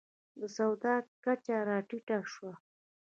د سواد کچه راټیټه شوه.